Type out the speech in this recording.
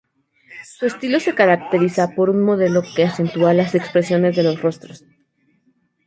Su estilo se caracteriza por un modelado que acentúa las expresiones de los rostros.